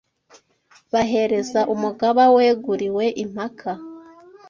Bahereza Umugaba weguriwe impaka